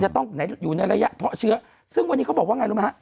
ต้องอยู่ในระยะเพาะเชื้อซึ่งวันนี้เขาบอกว่าไงรู้ไหมฮะ